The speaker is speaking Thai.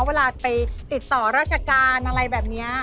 เวลาไปติดต่อราชการอะไรแบบนี้